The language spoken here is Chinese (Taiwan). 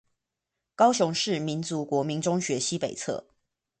高雄市立民族國民中學西北側